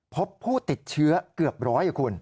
พบผู้ติดเชื้อเกือบร้อยคุณ